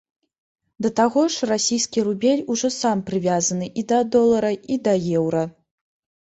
Да таго ж, расійскі рубель ужо сам прывязаны і да долара, і да еўра.